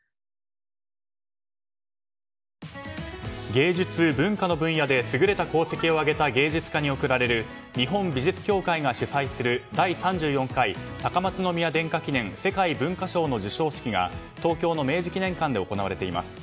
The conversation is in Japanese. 芸術・文化の分野で優れた功績を上げた芸術家に贈られる日本美術協会が主催する第３４回高松宮殿下記念世界文化賞の授賞式が東京の明治記念館で行われています。